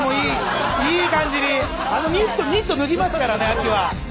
あのニット脱ぎますからね秋は。